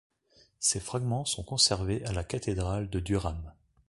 Ses fragments sont conservés à la cathédrale de Durham.